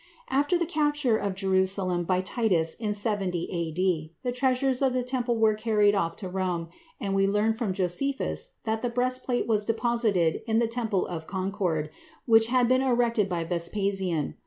After the capture of Jerusalem by Titus in 70 A.D., the treasures of the temple were carried off to Rome, and we learn from Josephus that the breastplate was deposited in the Temple of Concord, which had been erected by Vespasian.